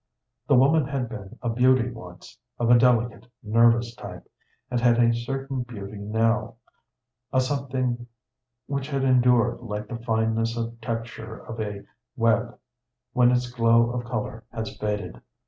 The woman had been a beauty once, of a delicate, nervous type, and had a certain beauty now, a something which had endured like the fineness of texture of a web when its glow of color has faded.